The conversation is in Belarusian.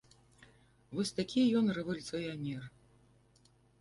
Вось такі ён рэвалюцыянер.